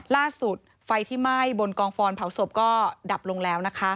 ล่าสุดไฟที่ไหม้บนกองฟอนเผาศพก็ดับลงแล้ว